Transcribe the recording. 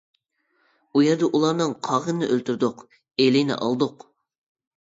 ئۇ يەردە ئۇلارنىڭ قاغانىنى ئۆلتۈردۇق، ئېلىنى ئالدۇق.